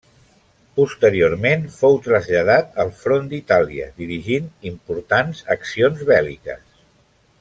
Posteriorment fou traslladat al front d'Itàlia dirigint importants accions bèl·liques.